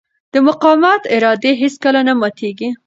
د مقاومت اراده هېڅکله نه ماتېږي.